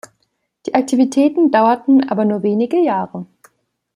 Die Aktivitäten dauerten aber nur wenige Jahre.